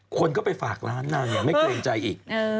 คนก็ไปฝากร้านนางอย่างไม่เกรงใจอีก